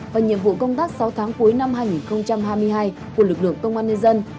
và nhiệm vụ công tác sáu tháng cuối năm hai nghìn hai mươi hai của lực lượng công an nhân dân